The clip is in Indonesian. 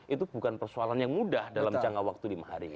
itu bukan persoalan yang mudah dalam jangka waktu lima hari